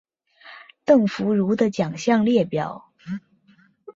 邓福如的奖项列表